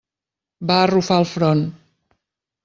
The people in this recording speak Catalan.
Va arrufar el front.